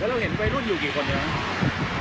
แล้วเราเห็นวัยรุ่นอยู่กี่คนอย่างนั้นครับ